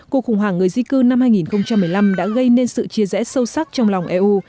cuộc khủng hoảng người di cư năm hai nghìn một mươi năm đã gây nên sự chia rẽ sâu sắc trong lòng eu